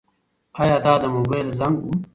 ایا دا د موبایل زنګ و؟